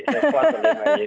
sesuatu dengan ini